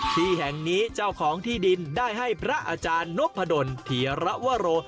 ที่แห่งนี้เจ้าของที่ดินได้ให้พระอาจารย์นพดลธีระวโร